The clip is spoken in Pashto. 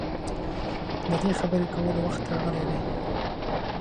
د دې خبرې کولو وخت راغلی دی.